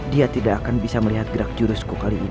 dia tidak akan bisa melihat gerak jurusku kali ini